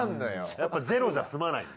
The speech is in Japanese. やっぱゼロじゃすまないんだ？